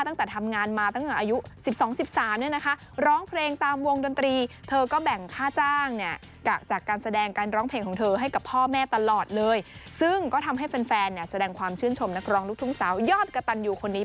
ตั้งแต่ทำงานมาตั้งแต่อายุ๑๒๑๓เนี่ยนะคะ